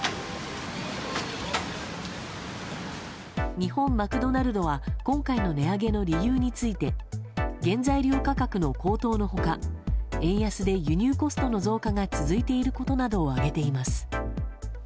日本マクドナルドは今回の値上げの理由について原材料価格の高騰の他円安で輸入コストの増加が続いていることなどを挙げています。